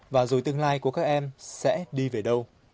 và rồi tương lai của các em sẽ đi về đâu